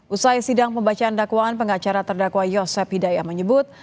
usai sidang pembacaan dakwaan pengacara terdakwa yosef hidayah menyebut